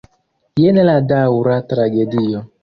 Jen la daŭra tragedio.